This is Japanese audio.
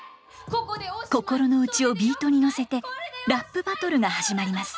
心の内をビートに乗せてラップバトルが始まります。